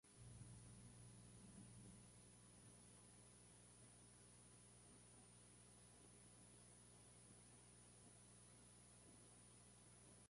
Este sería el Madrid que define claramente el plano de Pedro de Texeira.